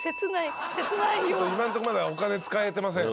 今んとこまだお金使えてません。